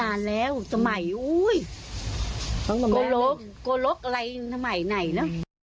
นานแล้วสมัยโอ้ยกลกอะไรสมัยไหนเนาะ